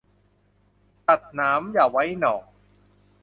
ตัดหนามอย่าไว้หน่อ